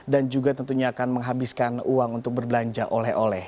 juga tentunya akan menghabiskan uang untuk berbelanja oleh oleh